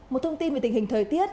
một thông tin về tình hình thời tiết